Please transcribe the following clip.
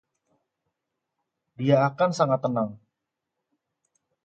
Dia akan sangat senang.